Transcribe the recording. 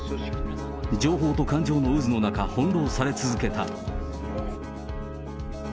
情報と感情の渦の中、翻弄され続けた。